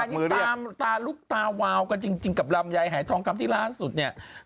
อันนี้ตามตาลุกตาวาวกันจริงกับลำไยหายทองคำที่ล่าสุดเนี่ย